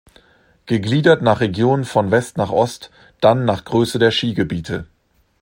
Gegliedert nach Regionen von West nach Ost, dann nach Grösse der Skigebiete.